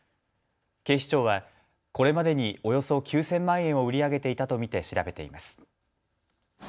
警視庁はこれまでにおよそ９０００万円を売り上げていたと見て調べています。